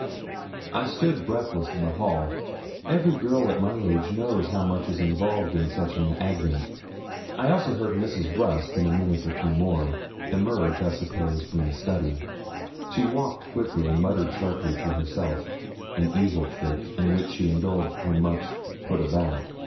I stood breathless in the hall. Every girl at my age knows how much is involved in such an advent. I also heard Mrs. Rusk, in a minute or two more, emerge I suppose from the study. She walked quickly, and muttered sharply to herself an evil trick, in which she indulged when much 'put about.'